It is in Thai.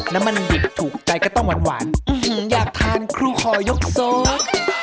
น้ำมันดิบถูกใจก็ต้องหวานอยากทานครูคอยกซอส